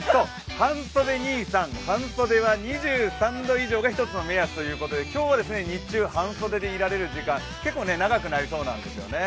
半袖は２３度以上が１つの目安ということで今日は日中、半袖でいられる時間結構長くなりそうなんですよね。